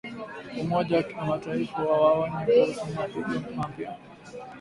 Umoja wa Mataifa wawaonya kuhusu mapigano mapya